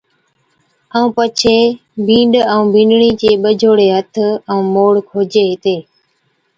پڇي بِينڏَ ائُون بِينڏڙِي چي ٻجھوڙي ھٿ ائُون موڙ کوجي ھِتي